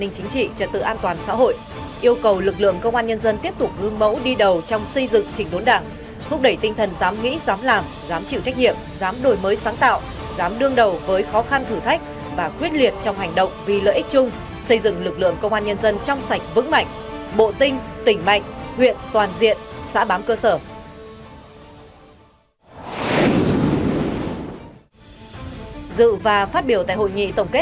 chính trị trận tự an toàn xã hội yêu cầu lực lượng công an nhân dân tiếp tục gương mẫu đi đầu trong xây dựng chỉnh đốn đảng thúc đẩy tinh thần dám nghĩ dám làm dám chịu trách nhiệm dám đổi mới sáng tạo dám đương đầu với khó khăn thử thách và quyết liệt trong hành động vì lợi ích chung xây dựng lực lượng công an nhân dân trong sạch vững mạnh bộ tinh tỉnh mạnh huyện toàn diện xã bám cơ sở